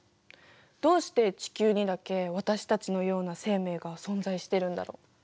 どうして地球にだけ私たちのような生命が存在してるんだろう。